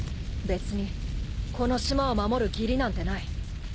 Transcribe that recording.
別にこの島を守る義理なんてない。